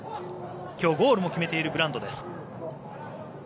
今日、ゴールも決めているブランドです。